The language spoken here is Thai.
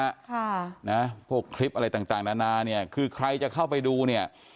ค่ะนะพวกคลิปอะไรต่างต่างนานาเนี่ยคือใครจะเข้าไปดูเนี่ย